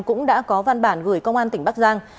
cũng đã có văn bản gửi công an tỉnh bắc giang